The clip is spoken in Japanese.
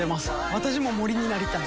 私も森になりたい。